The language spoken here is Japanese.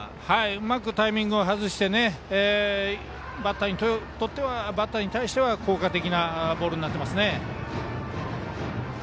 うまくタイミングを外してバッターに対しては効果的なボールになっていますね。